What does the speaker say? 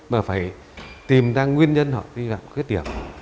mà phải tìm ra nguyên nhân họ đi vào khuyết điểm